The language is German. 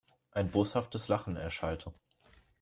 Ein boshaftes Lachen erschallte.